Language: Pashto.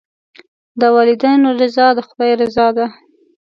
د والدینو رضا د خدای رضا ده.